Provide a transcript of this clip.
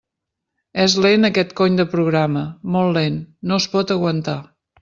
És lent aquest cony de programa, molt lent, no es pot aguantar!